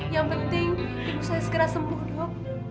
yang penting ibu saya segera sembuh dok